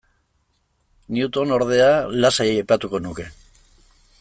Newton, ordea, lasai aipatuko nuke.